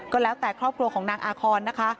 ก็แล้วแต่ครอบครัวของนางอาคอนนะคะ